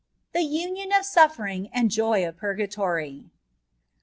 THE UNION OF SUFFEBINO AND JOT IN PURGATORT.